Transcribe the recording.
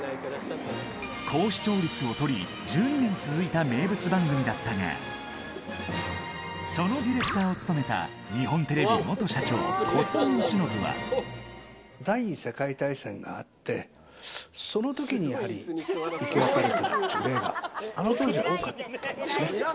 高視聴率を取り、１２年続いた名物番組だったが、そのディレクターを務めた、日本テレビ元社長、第２次世界大戦があって、そのときにやはり、生き別れるっていう例が、あの当時、多かったんですね。